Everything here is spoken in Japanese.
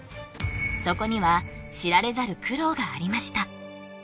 そこには知られざる苦労がありました